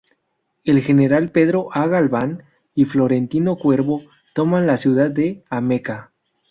El general Pedro A. Galván y Florentino Cuervo, toman la ciudad de Ameca.